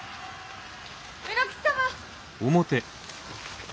卯之吉様！